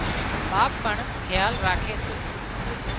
ٻاپ پڻ کيال راکي سي